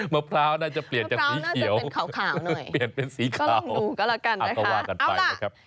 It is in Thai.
มะพร้าวน่าจะเปลี่ยนเป็นสีเขาขาวหน่อย